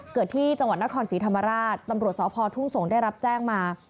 เกิดที่จังหวัดนครศรีธรรมราชตำรวจสพทุ่งสงศ์ได้รับแจ้งมา